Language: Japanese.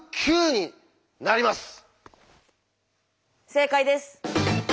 正解です。